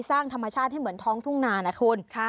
สร้างธรรมชาติให้เหมือนท้องทุ่งนานะคุณ